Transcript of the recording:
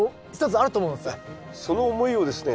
その思いをですね